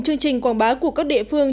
chương trình quảng báo của các địa phương